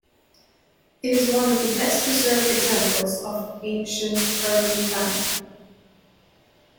It is one of the best preserved examples of ancient urban planning.